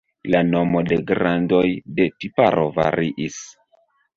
La nomo de grandoj de tiparo variis.